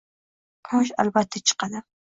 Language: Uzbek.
Quyosh, albatta chiqadi